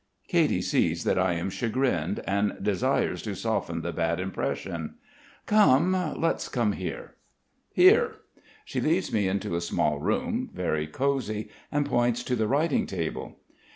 Katy sees that I am chagrined, and desires to soften the bad impression. "Come. Let's come here. Here." She leads me into a small room, very cosy, and points to the writing table.